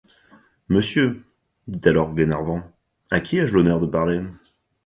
Monsieur, dit alors Glenarvan, à qui ai-je l’honneur de parler?